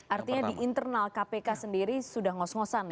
artinya di internal kpk sendiri sudah ngos ngosan